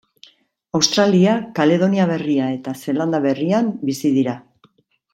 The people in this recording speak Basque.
Australia, Kaledonia Berria eta Zeelanda Berrian bizi dira.